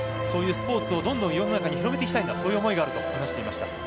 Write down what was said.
そういうスポーツをどんどん世の中に広めていきたいという思いがあると伝えていました。